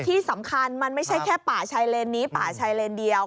ที่สำคัญมันไม่ใช่แค่ป่าชายเลนนี้ป่าชัยเลนเดียว